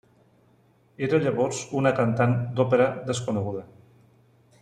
Era llavors una cantant d'òpera desconeguda.